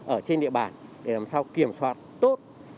ở trên địa bàn để làm sao kiểm soát tốt